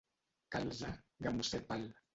Calze gamosèpal.